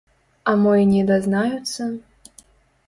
А мо й не дазнаюцца?